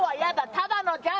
ただのギャル！